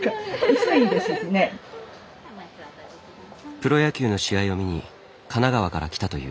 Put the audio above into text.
プロ野球の試合を見に神奈川から来たという。